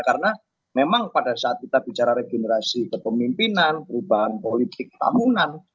karena memang pada saat kita bicara regenerasi kepemimpinan perubahan politik tamunan